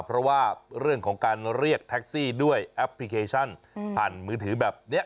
เพราะว่าเรื่องของการเรียกแท็กซี่ด้วยแอปพลิเคชันผ่านมือถือแบบนี้